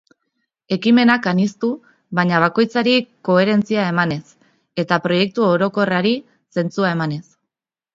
Ekimenak aniztu, baina bakoitzari koherentzia emanez, eta proiektu orokorrari zentzua emanez.